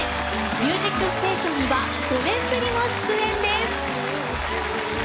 「ミュージックステーション」には５年ぶりの出演です。